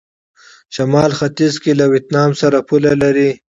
شمال ختيځ کې له ویتنام سره پوله لري.